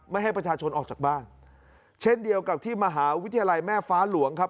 ไม่ให้ประชาชนออกจากบ้านเช่นเดียวกับที่มหาวิทยาลัยแม่ฟ้าหลวงครับ